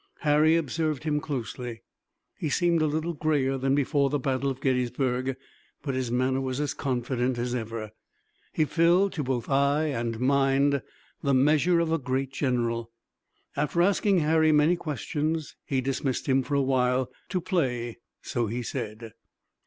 Harry observed him closely. He seemed a little grayer than before the Battle of Gettysburg, but his manner was as confident as ever. He filled to both eye and mind the measure of a great general. After asking Harry many questions he dismissed him for a while, to play, so he said.